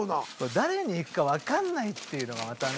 誰に行くか分かんないっていうのがまたね。